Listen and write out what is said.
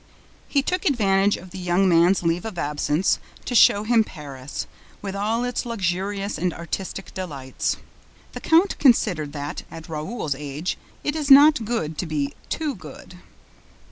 He took advantage of the young man's leave of absence to show him Paris, with all its luxurious and artistic delights. The count considered that, at Raoul's age, it is not good to be too good.